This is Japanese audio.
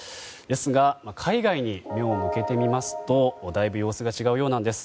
ですが海外に目を向けてみますとだいぶ様子が違うようです。